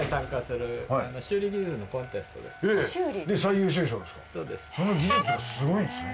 その技術がすごいんですね。